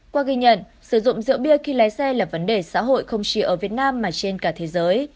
qua ghi nhận sử dụng rượu bia khi lái xe là vấn đề xã hội không chỉ ở việt nam mà trên cả thế giới